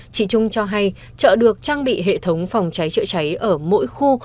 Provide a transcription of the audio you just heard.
chị trung cho hay chợ được trang bị hệ thống phòng cháy chữa cháy ở mỗi khu